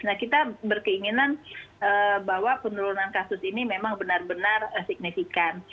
nah kita berkeinginan bahwa penurunan kasus ini memang benar benar signifikan